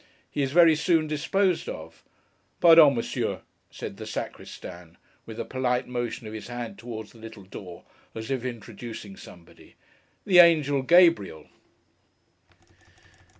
He is very soon disposed of.' 'Pardon, Monsieur,' said the Sacristan, with a polite motion of his hand towards the little door, as if introducing somebody—'The Angel Gabriel!